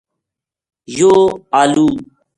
یوہ آلو